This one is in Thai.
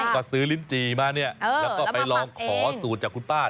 ก็ซื้อลิ้นจี่มาเนี่ยแล้วก็ไปลองขอสูตรจากคุณป้า